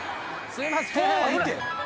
すいません。